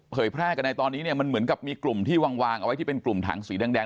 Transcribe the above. แพร่กันในตอนนี้เนี่ยมันเหมือนกับมีกลุ่มที่วางวางเอาไว้ที่เป็นกลุ่มถังสีแดง